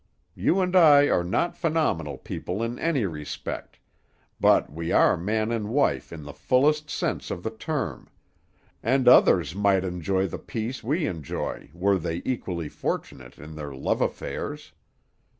You and I are not phenomenal people in any respect, but we are man and wife in the fullest sense of the term; and others might enjoy the peace we enjoy were they equally fortunate in their love affairs.